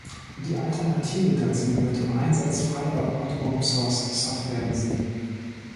Die Alternative dazu wird im Einsatz Freier und Open-Source-Software gesehen.